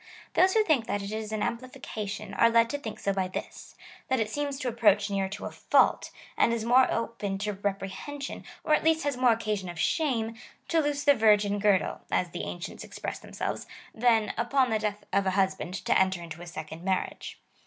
Those who think that it is an amplifica tion, are led to think so by this, that it seems to approach nearer to a fault, and is more open to reprehension, or at least has more occasion of shame, to loose the virgin girdle (as the ancients express themselves) than, upon the death of a husband, to enter into a second marriage.